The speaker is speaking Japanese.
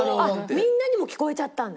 あっみんなにも聞こえちゃったんだ。